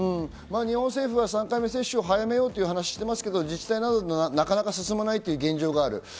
日本政府は３回目接種を早めようとしていますが自治体などでなかなか進まない現状がある。